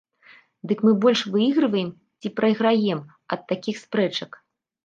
Дык мы больш выігрываем ці прайграем ад такіх спрэчак?